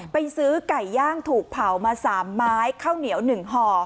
ไปซื้อไก่ย่างถูกเผามา๓ไม้ข้าวเหนียว๑ห่อ